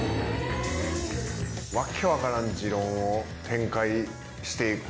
訳分からん持論を展開していく。